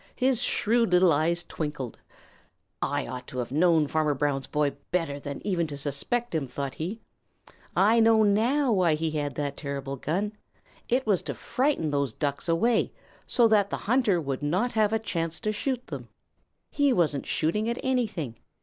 His shrewd little eyes twinkled. "I ought to have known Farmer Brown's boy better than even to suspect him," thought he. "I know now why he had that terrible gun. It was to frighten those Ducks away so that the hunter would not have a chance to shoot them. He wasn't shooting at anything.